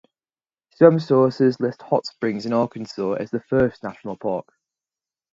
Some sources list Hot Springs in Arkansas as the first national park.